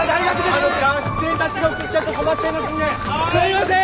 すみません